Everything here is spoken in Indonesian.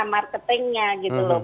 marketingnya gitu loh